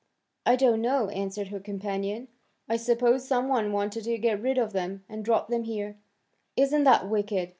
"I don't know," answered her companion. "I suppose some one wanted to get rid of them and dropped them here." "Isn't that wicked!